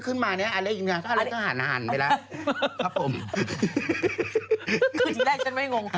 คือที่แรกฉันไม่งง